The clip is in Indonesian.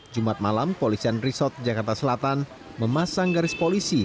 jumat malam polisian resort jakarta selatan memasang garis polisi